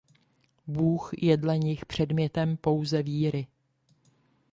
Bůh je dle nich předmětem pouze víry.